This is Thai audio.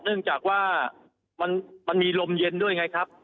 เนื่องจากว่ามันมีลมเย็นด้วยไงครับ